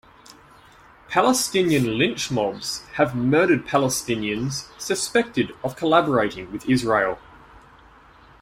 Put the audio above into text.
Palestinian lynch mobs have murdered Palestinians suspected of collaborating with Israel.